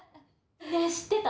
ねえ知ってた？